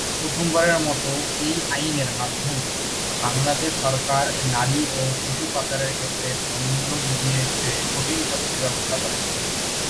প্রথমবারের মতো এই আইনের মাধ্যমে বাংলাদেশ সরকার নারী ও শিশু পাচারের ক্ষেত্রে দণ্ডবিধির চেয়ে কঠিন শাস্তির ব্যবস্থা করে।